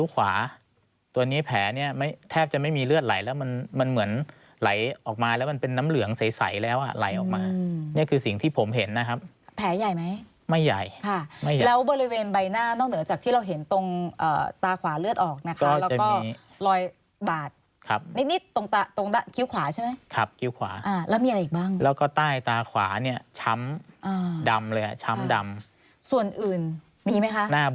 มันเป็นน้ำเหลืองใสแล้วอ่ะไหลออกมาอืมนี่คือสิ่งที่ผมเห็นนะครับแผลใหญ่ไหมไม่ใหญ่ค่ะไม่ใหญ่แล้วบริเวณใบหน้านอกเหนือจากที่เราเห็นตรงอ่าตาขวาเลือดออกนะคะแล้วก็จะมีรอยบาดครับนิดนิดตรงตะตรงตะคิ้วขวาใช่ไหมครับคิ้วขวาอ่าแล้วมีอะไรอีกบ้างแล้วก็ใต้ตาขวาเนี้ยช้ำอ่าดำเลยอ่ะช้ำ